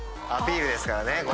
アピールですからね